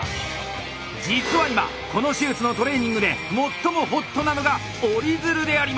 実は今この手術のトレーニングで最もホットなのが折り鶴であります！